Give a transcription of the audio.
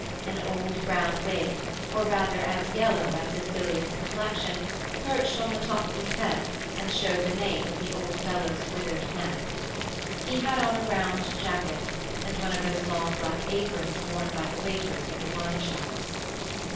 An old brown wig, or, rather, as yellow as his bilious complexion, perched on the top of his head, showed the nape of the old fellow's withered neck. He had on a round jacket, and one of those long black aprons worn by the waiters at the wine shops.